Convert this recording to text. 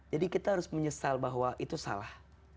kita harus menyesal bahwa itu salah